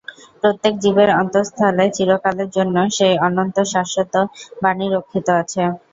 প্র্রত্যেক জীবের অন্তস্তলে চিরকালের জন্য সেই অনন্ত শাশ্বত বাণী রক্ষিত আছে।